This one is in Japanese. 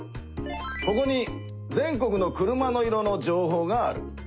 ここに全国の車の色の情報がある。